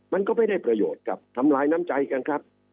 มันก็ไม่ได้ประโยชน์ครับทำลายน้ำใจกันครับ